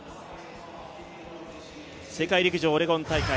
世界陸上オレゴン大会。